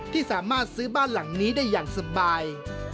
ที่สามารถซื้อบ้านหลังนี้ได้อย่างสบาย